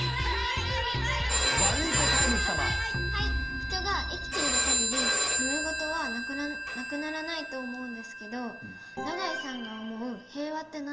人が生きている限りもめ事はなくならないと思うんですけど永井さんが思う平和って何ですか？